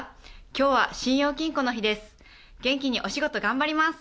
今日は信用金庫の日です。